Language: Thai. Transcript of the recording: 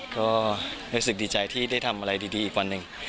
ก็รู้สึกดีใจที่ได้ทำอะไรดีอีกวันหนึ่ง